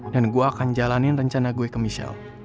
dan gue akan jalanin rencana gue ke michelle